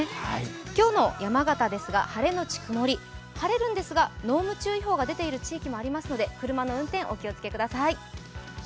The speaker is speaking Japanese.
今日の山形ですが、晴れのちくもり、晴れるんですが、濃霧注意報が出ている地域もありますので車の運転、お気をつけください。